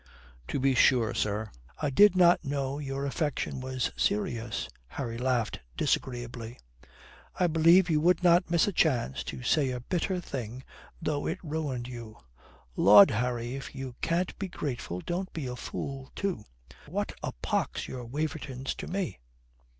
"To be sure, sir, I did not know your affection was serious." Harry laughed disagreeably. "I believe you would not miss a chance to say a bitter thing though it ruined you, Lud, Harry, if you can't be grateful, don't be a fool too. What a pox are your Wavertons to me?